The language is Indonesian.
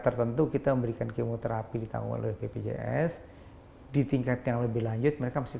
tertentu kita memberikan kemoterapi ditanggung bpjs di tingkat yang lebih lanjut mereka masih